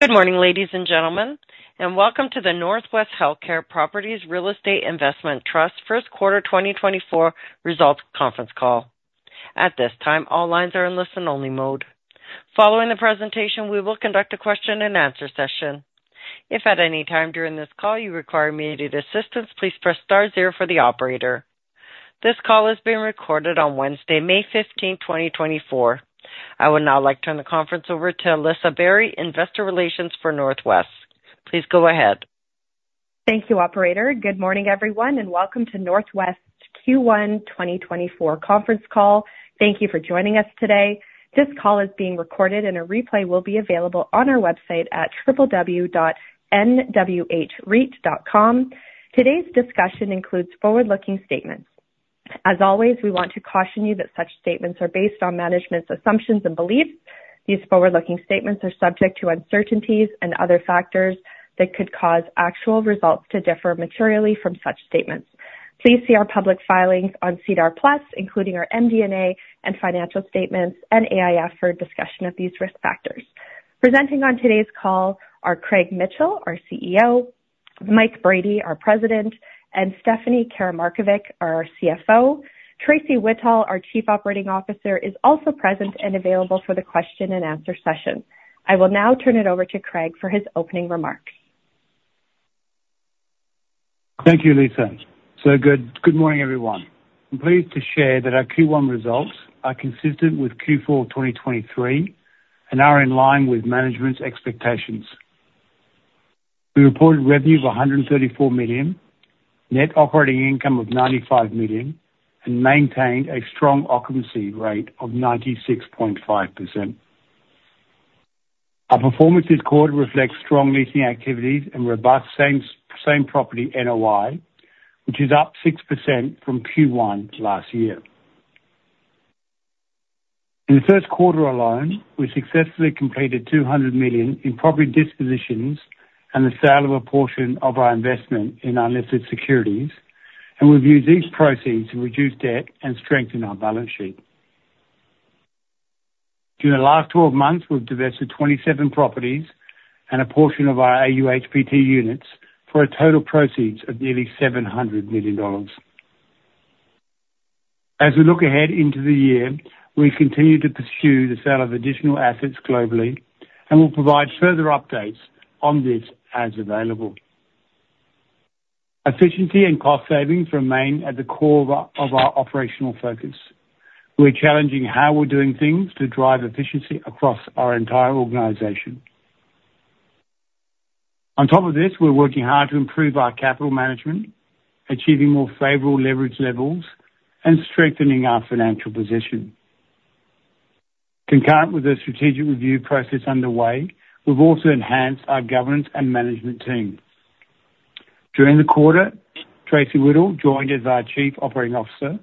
Good morning, ladies and gentlemen, and welcome to the NorthWest Healthcare Properties Real Estate Investment Trust first quarter 2024 results conference call. At this time, all lines are in listen-only mode. Following the presentation, we will conduct a question-and-answer session. If at any time during this call you require immediate assistance, please press star 0 for the operator. This call is being recorded on Wednesday, May 15, 2024. I would now like to turn the conference over to Alyssa Barry, Investor Relations for NorthWest. Please go ahead. Thank you, operator. Good morning, everyone, and welcome to NorthWest's Q1 2024 conference call. Thank you for joining us today. This call is being recorded, and a replay will be available on our website at www.nwhreit.com. Today's discussion includes forward-looking statements. As always, we want to caution you that such statements are based on management's assumptions and beliefs. These forward-looking statements are subject to uncertainties and other factors that could cause actual results to differ materially from such statements. Please see our public filings on SEDAR+, including our MD&A and financial statements and AIF for discussion of these risk factors. Presenting on today's call are Craig Mitchell, our CEO; Mike Brady, our president; and Stephanie Karamarkovic, our CFO; Tracey Whittall, our Chief Operating Officer, is also present and available for the question-and-answer session. I will now turn it over to Craig for his opening remarks. Thank you, Alyssa. So good morning, everyone. I'm pleased to share that our Q1 results are consistent with Q4 2023 and are in line with management's expectations. We reported revenue of 134 million, net operating income of 95 million, and maintained a strong occupancy rate of 96.5%. Our performance this quarter reflects strong leasing activities and robust same-property NOI, which is up 6% from Q1 last year. In the first quarter alone, we successfully completed 200 million in property dispositions and the sale of a portion of our investment in unlisted securities, and we've used these proceeds to reduce debt and strengthen our balance sheet. During the last 12 months, we've divested 27 properties and a portion of our AUHPT units for a total proceeds of nearly 700 million dollars. As we look ahead into the year, we continue to pursue the sale of additional assets globally, and we'll provide further updates on this as available. Efficiency and cost savings remain at the core of our operational focus. We're challenging how we're doing things to drive efficiency across our entire organization. On top of this, we're working hard to improve our capital management, achieving more favorable leverage levels, and strengthening our financial position. Concurrent with the strategic review process underway, we've also enhanced our governance and management team. During the quarter, Tracey Whittall joined as our Chief Operating Officer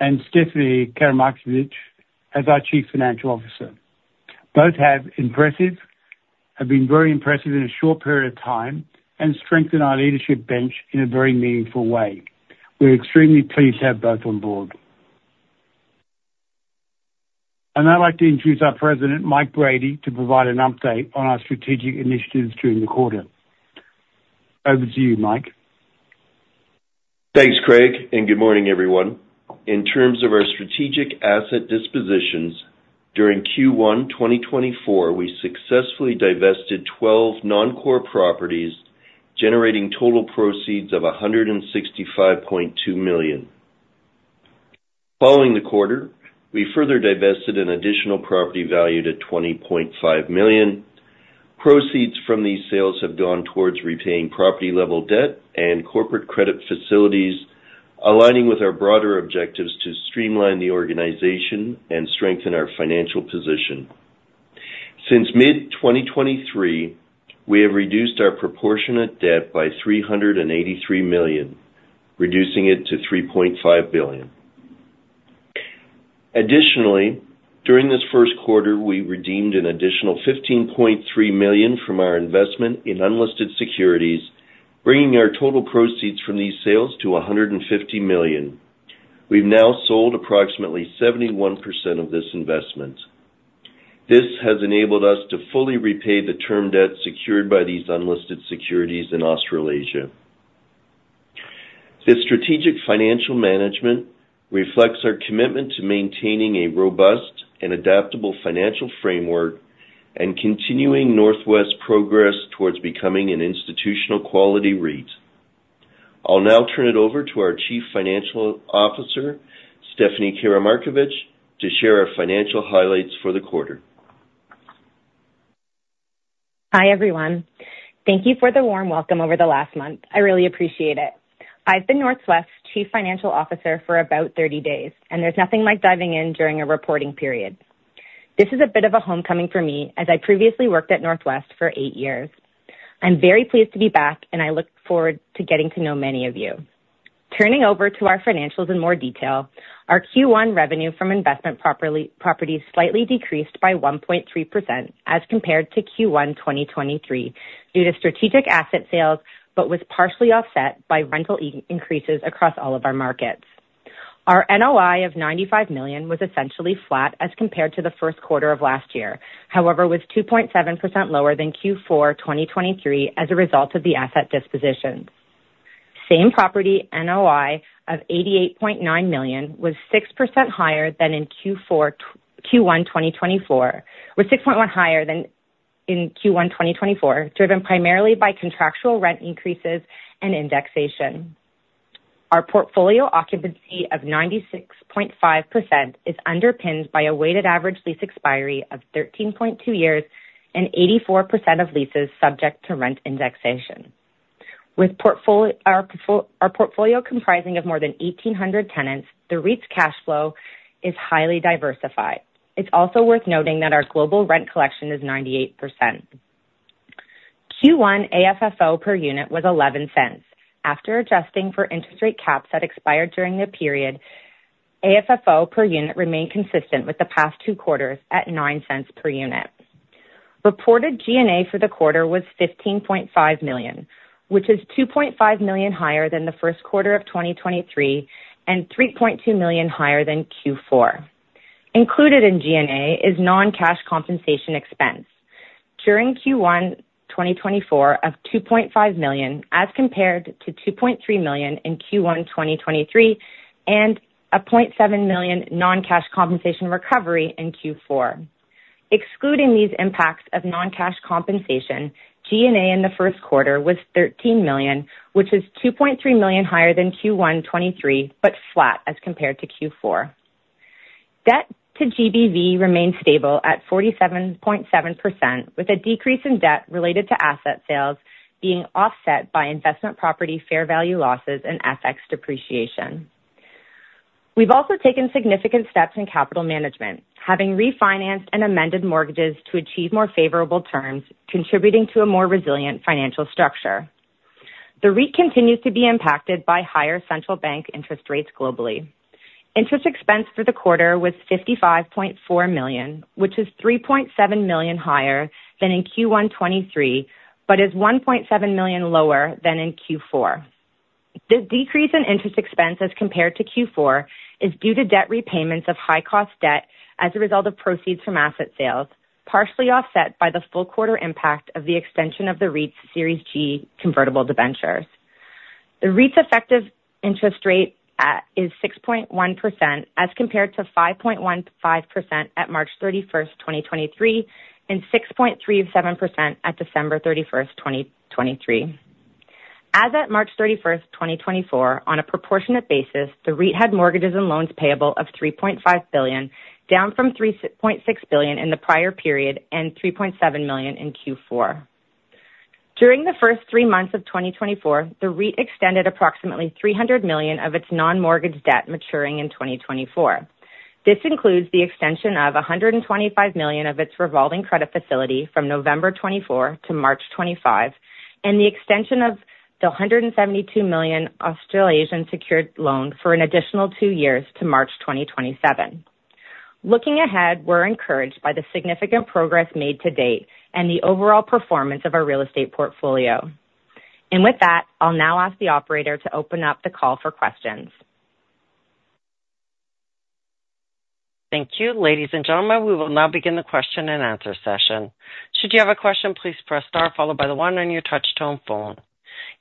and Stephanie Karamarkovic as our Chief Financial Officer. Both have been very impressive in a short period of time and strengthened our leadership bench in a very meaningful way. We're extremely pleased to have both on board. I'd now like to introduce our President, Mike Brady, to provide an update on our strategic initiatives during the quarter. Over to you, Mike. Thanks, Craig, and good morning, everyone. In terms of our strategic asset dispositions, during Q1 2024, we successfully divested 12 non-core properties, generating total proceeds of 165.2 million. Following the quarter, we further divested an additional property valued at 20.5 million. Proceeds from these sales have gone towards repaying property-level debt and corporate credit facilities, aligning with our broader objectives to streamline the organization and strengthen our financial position. Since mid-2023, we have reduced our proportionate debt by 383 million, reducing it to 3.5 billion. Additionally, during this first quarter, we redeemed an additional 15.3 million from our investment in unlisted securities, bringing our total proceeds from these sales to 150 million. We've now sold approximately 71% of this investment. This has enabled us to fully repay the term debt secured by these unlisted securities in Australasia. This strategic financial management reflects our commitment to maintaining a robust and adaptable financial framework and continuing NorthWest's progress towards becoming an institutional quality REIT. I'll now turn it over to our Chief Financial Officer, Stephanie Karamarkovic, to share our financial highlights for the quarter. Hi, everyone. Thank you for the warm welcome over the last month. I really appreciate it. I've been NorthWest's Chief Financial Officer for about 30 days, and there's nothing like diving in during a reporting period. This is a bit of a homecoming for me as I previously worked at NorthWest for 8 years. I'm very pleased to be back, and I look forward to getting to know many of you. Turning over to our financials in more detail, our Q1 revenue from investment properties slightly decreased by 1.3% as compared to Q1 2023 due to strategic asset sales but was partially offset by rental increases across all of our markets. Our NOI of 95 million was essentially flat as compared to the first quarter of last year, however, was 2.7% lower than Q4 2023 as a result of the asset dispositions. Same-Property NOI of 88.9 million was 6% higher than in Q1 2024, driven primarily by contractual rent increases and indexation. Our portfolio occupancy of 96.5% is underpinned by a weighted average lease expiry of 13.2 years and 84% of leases subject to rent indexation. With our portfolio comprising of more than 1,800 tenants, the REIT's cash flow is highly diversified. It's also worth noting that our global rent collection is 98%. Q1 AFFO per unit was 0.11. After adjusting for interest rate caps that expired during the period, AFFO per unit remained consistent with the past two quarters at 0.09 per unit. Reported G&A for the quarter was 15.5 million, which is 2.5 million higher than the first quarter of 2023 and 3.2 million higher than Q4. Included in G&A is non-cash compensation expense during Q1 2024 of 2.5 million as compared to 2.3 million in Q1 2023 and a 0.7 million non-cash compensation recovery in Q4. Excluding these impacts of non-cash compensation, G&A in the first quarter was 13 million, which is 2.3 million higher than Q1 2023 but flat as compared to Q4. Debt to GBV remained stable at 47.7%, with a decrease in debt related to asset sales being offset by investment property fair value losses and FX depreciation. We've also taken significant steps in capital management, having refinanced and amended mortgages to achieve more favorable terms, contributing to a more resilient financial structure. The REIT continues to be impacted by higher central bank interest rates globally. Interest expense for the quarter was 55.4 million, which is 3.7 million higher than in Q1 2023 but is 1.7 million lower than in Q4. The decrease in interest expense as compared to Q4 is due to debt repayments of high-cost debt as a result of proceeds from asset sales, partially offset by the full quarter impact of the extension of the REIT's Series G Convertible Debentures. The REIT's effective interest rate is 6.1% as compared to 5.15% at March 31, 2023, and 6.37% at December 31, 2023. As at March 31, 2024, on a proportionate basis, the REIT had mortgages and loans payable of 3.5 billion, down from 3.6 billion in the prior period and 3.7 million in Q4. During the first three months of 2024, the REIT extended approximately 300 million of its non-mortgage debt maturing in 2024. This includes the extension of 125 million of its revolving credit facility from November 2024 to March 2025 and the extension of the 172 million Australasian secured loan for an additional 2 years to March 2027. Looking ahead, we're encouraged by the significant progress made to date and the overall performance of our real estate portfolio. And with that, I'll now ask the operator to open up the call for questions. Thank you, ladies and gentlemen. We will now begin the question-and-answer session. Should you have a question, please press star followed by the one on your touch-tone phone.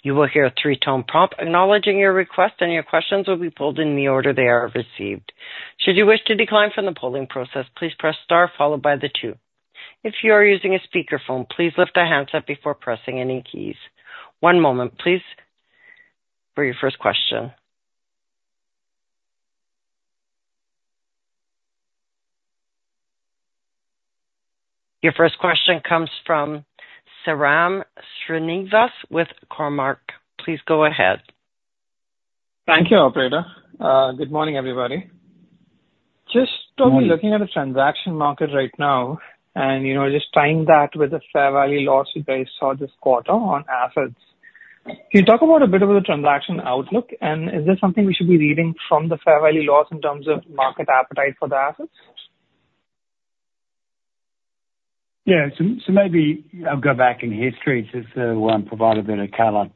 You will hear a three-tone prompt acknowledging your request, and your questions will be pulled in the order they are received. Should you wish to decline from the polling process, please press star followed by the two. If you are using a speakerphone, please lift a handset before pressing any keys. One moment, please, for your first question. Your first question comes from Sriram Srinivasan with Cormark. Please go ahead. Thank you, operator. Good morning, everybody. Just looking at the transaction market right now and just tying that with the fair value loss you guys saw this quarter on assets, can you talk about a bit of the transaction outlook, and is this something we should be reading from the fair value loss in terms of market appetite for the assets? Yeah. So maybe I'll go back in history just to provide a bit of color.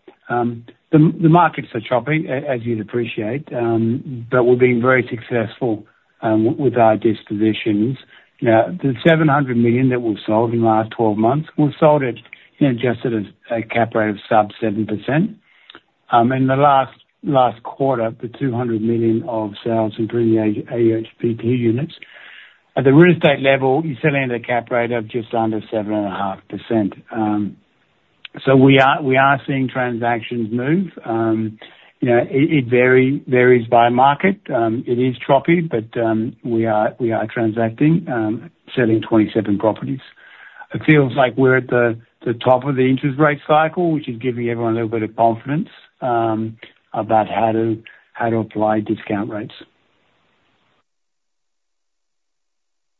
The markets are choppy, as you'd appreciate, but we've been very successful with our dispositions. Now, the 700 million that we've sold in the last 12 months, we've sold it adjusted at a cap rate of sub-7%. In the last quarter, the 200 million of sales improved the AUHPT units. At the real estate level, you're selling at a cap rate of just under 7.5%. So we are seeing transactions move. It varies by market. It is choppy, but we are transacting, selling 27 properties. It feels like we're at the top of the interest rate cycle, which is giving everyone a little bit of confidence about how to apply discount rates.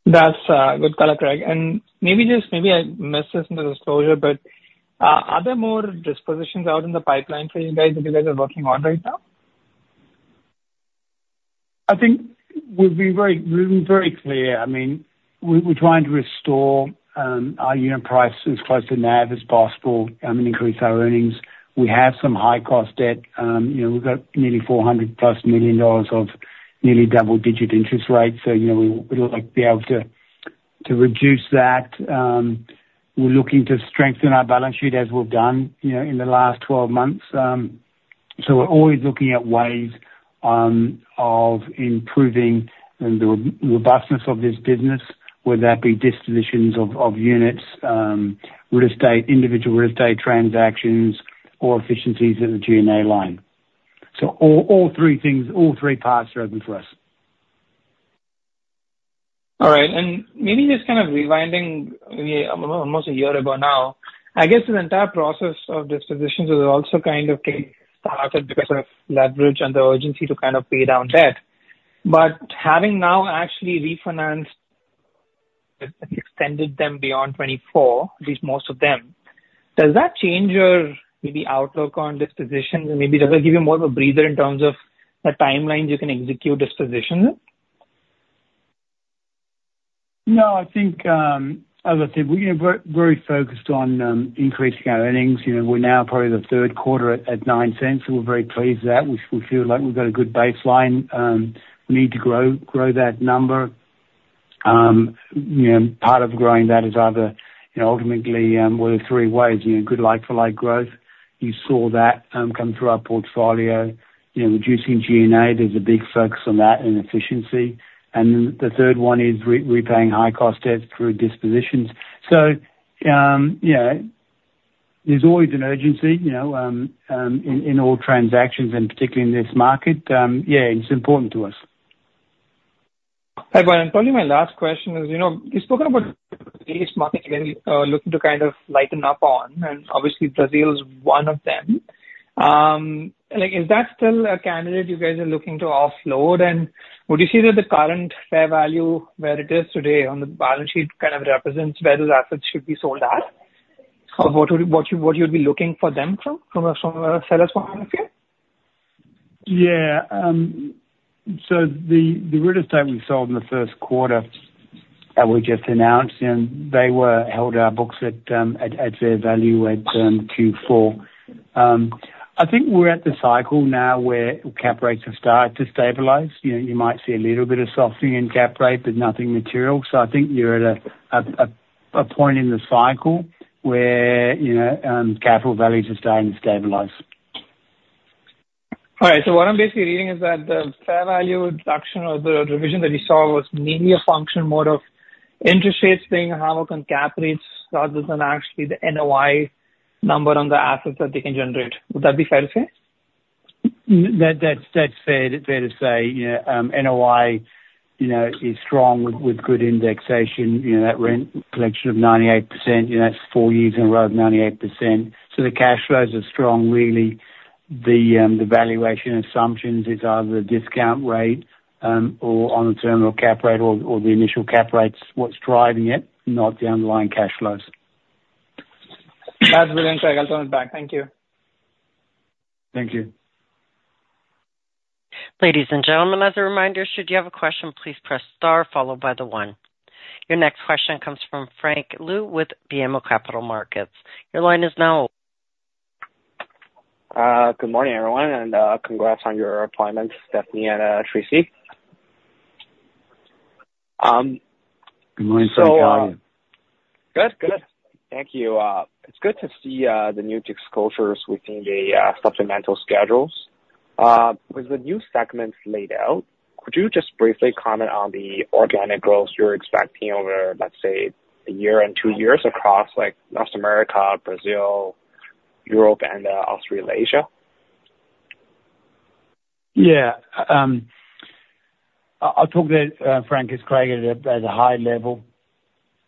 That's good color, Craig. Maybe I missed this in the disclosure, but are there more dispositions out in the pipeline for you guys that you guys are working on right now? I think we've been very clear. I mean, we're trying to restore our unit prices as close to NAV as possible and increase our earnings. We have some high-cost debt. We've got nearly 400+ million dollars of nearly double-digit interest rates, so we'd like to be able to reduce that. We're looking to strengthen our balance sheet as we've done in the last 12 months. So we're always looking at ways of improving the robustness of this business, whether that be dispositions of units, individual real estate transactions, or efficiencies at the G&A line. So all three parts are open for us. All right. Maybe just kind of rewinding, almost a year ago now, I guess the entire process of dispositions was also kind of started because of leverage and the urgency to kind of pay down debt. Having now actually refinanced and extended them beyond 2024, at least most of them, does that change your outlook on dispositions? And maybe does that give you more of a breather in terms of the timelines you can execute dispositions in? No. I think, as I said, we're very focused on increasing our earnings. We're now probably the third quarter at 0.09, so we're very pleased with that. We feel like we've got a good baseline. We need to grow that number. Part of growing that is either ultimately, well, there are three ways: good like-for-like growth. You saw that come through our portfolio. Reducing G&A, there's a big focus on that and efficiency. And then the third one is repaying high-cost debts through dispositions. So there's always an urgency in all transactions, and particularly in this market. Yeah, it's important to us. Hey, Craig. Probably my last question is, you've spoken about the REITs market you're looking to kind of lighten up on, and obviously, Brazil's one of them. Is that still a candidate you guys are looking to offload? And would you say that the current fair value, where it is today on the balance sheet, kind of represents where those assets should be sold at, or what you'd be looking for them from a seller's point of view? Yeah. So the real estate we sold in the first quarter that we just announced, they held our books at fair value at Q4. I think we're at the cycle now where cap rates have started to stabilize. You might see a little bit of softening in cap rate, but nothing material. So I think you're at a point in the cycle where capital values are starting to stabilize. All right. So what I'm basically reading is that the fair value reduction or the revision that you saw was mainly a function more of interest rates being harmed on cap rates rather than actually the NOI number on the assets that they can generate. Would that be fair to say? That's fair to say. NOI is strong with good indexation. That rent collection of 98%, that's four years in a row of 98%. So the cash flows are strong, really. The valuation assumptions is either the discount rate or on the term of cap rate or the initial cap rates, what's driving it, not the underlying cash flows. That's brilliant, Craig. I'll turn it back. Thank you. Thank you. Ladies and gentlemen, as a reminder, should you have a question, please press star followed by the 1. Your next question comes from Frank Liu with BMO Capital Markets. Your line is now. Good morning, everyone, and congrats on your appointments, Stephanie and Tracey. Good morning, Frank. How are you? Good, good. Thank you. It's good to see the new disclosures within the supplemental schedules. With the new segments laid out, could you just briefly comment on the organic growth you're expecting over, let's say, a year and two years across North America, Brazil, Europe, and Australasia? Yeah. I'll talk to Frank as Craig at a high level.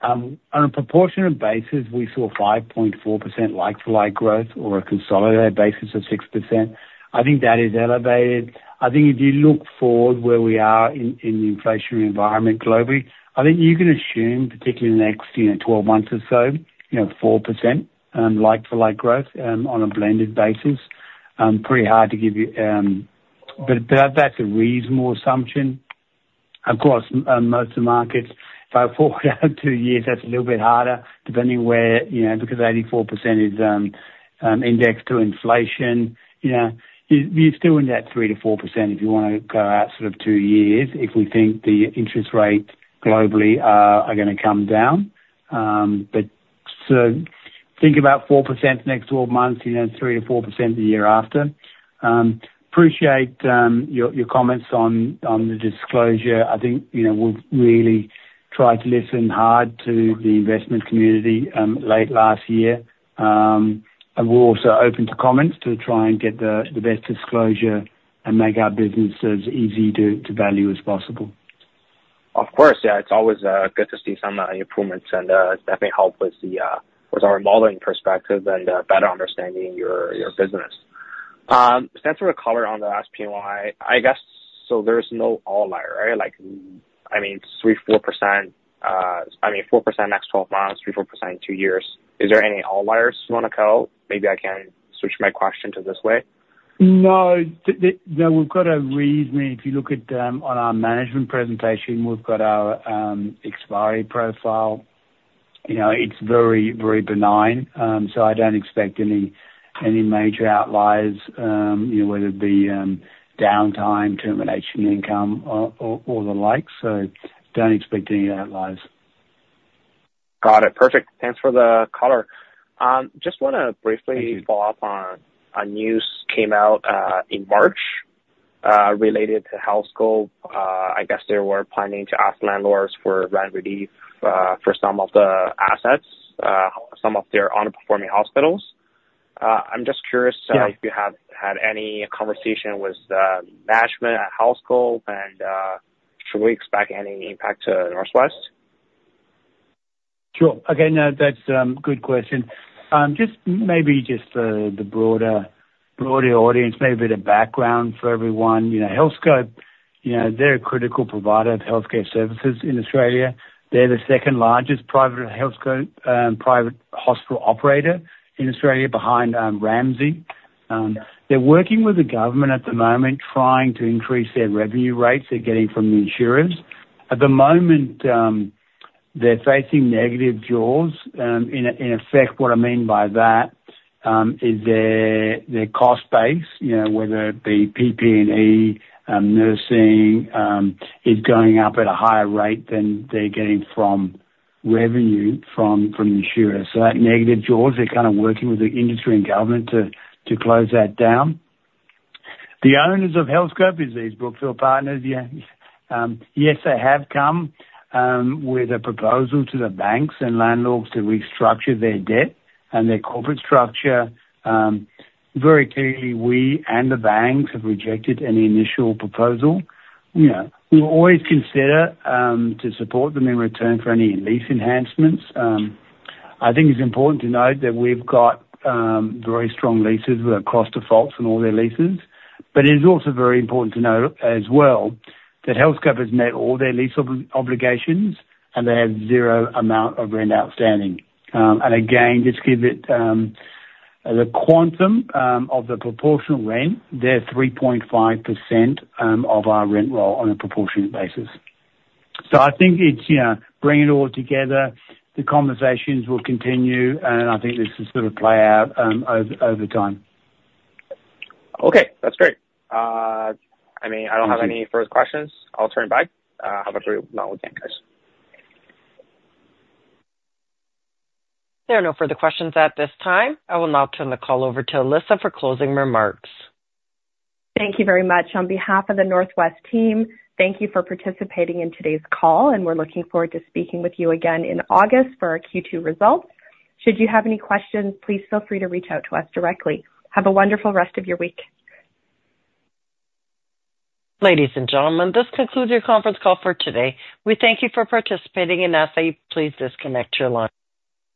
On a proportionate basis, we saw 5.4% like-for-like growth or a consolidated basis of 6%. I think that is elevated. I think if you look forward where we are in the inflationary environment globally, I think you can assume, particularly in the next 12 months or so, 4% like-for-like growth on a blended basis. Pretty hard to give you but that's a reasonable assumption. Of course, most of the markets, if I forward out two years, that's a little bit harder depending where because 84% is indexed to inflation. You're still in that 3%-4% if you want to go out sort of two years if we think the interest rates globally are going to come down. So think about 4% the next 12 months, 3%-4% the year after. Appreciate your comments on the disclosure. I think we've really tried to listen hard to the investment community late last year. We're also open to comments to try and get the best disclosure and make our business as easy to value as possible. Of course. Yeah. It's always good to see some improvements, and that may help with our modeling perspective and better understanding your business. Since we're covered on the last NOI, I guess so there's no upside, right? I mean, 3%-4% I mean, 4% next 12 months, 3%-4% in two years. Is there any upsides you want to count? Maybe I can switch my question to this way. No. No. We've got a reason if you look at on our management presentation, we've got our expiry profile. It's very, very benign. So I don't expect any major outliers, whether it be downtime, termination income, or the likes. So don't expect any outliers. Got it. Perfect. Thanks for the color. Just want to briefly follow up on a news that came out in March related to Healthscope. I guess they were planning to ask landlords for rent relief for some of the assets, some of their underperforming hospitals. I'm just curious if you have had any conversation with management at Healthscope, and should we expect any impact to NorthWest? Sure. Okay. No, that's a good question. Maybe just for the broader audience, maybe a bit of background for everyone. Healthscope, they're a critical provider of healthcare services in Australia. They're the second-largest private hospital operator in Australia behind Ramsay. They're working with the government at the moment trying to increase their revenue rates they're getting from the insurers. At the moment, they're facing negative jaws. In effect, what I mean by that is their cost base, whether it be PP&E, nursing, is going up at a higher rate than they're getting from revenue from the insurers. So that negative draws, they're kind of working with the industry and government to close that down. The owners of Healthscope is these Brookfield Partners. Yes, they have come with a proposal to the banks and landlords to restructure their debt and their corporate structure. Very clearly, we and the banks have rejected any initial proposal. We'll always consider to support them in return for any lease enhancements. I think it's important to note that we've got very strong leases with no covenant defaults in all their leases. But it is also very important to note as well that Healthscope has met all their lease obligations, and they have zero amount of rent outstanding. And again, just to give it the quantum of the proportional rent, they're 3.5% of our rent roll on a proportionate basis. So I think it's bringing it all together. The conversations will continue, and I think this will sort of play out over time. Okay. That's great. I mean, I don't have any further questions. I'll turn it back. Have a great weekend, guys. There are no further questions at this time. I will now turn the call over to Alyssa for closing remarks. Thank you very much. On behalf of the NorthWest team, thank you for participating in today's call, and we're looking forward to speaking with you again in August for our Q2 results. Should you have any questions, please feel free to reach out to us directly. Have a wonderful rest of your week. Ladies and gentlemen, this concludes your conference call for today. We thank you for participating with us. Please disconnect your line.